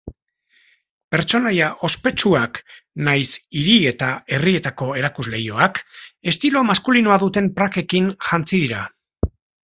Pertsonaia ospetsuak nahiz hiri eta herrietako erakusleihoak estilo maskulinoa duten prakekin jantzi dira.